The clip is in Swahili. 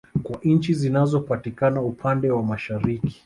Kwa nchi zinazo patikana upande wa Mashariki